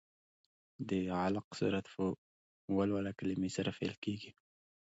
د علق سورت په ولوله کلمې سره پیل کېږي.